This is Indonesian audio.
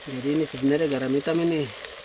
jadi ini sebenarnya garam hitam ini